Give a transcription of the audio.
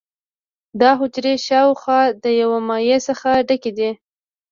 دا حجرې شاوخوا له یو مایع څخه ډکې دي.